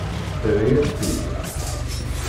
Terra-yak-t-id.